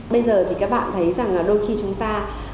bây giờ thì các bạn thấy rằng đôi khi chúng ta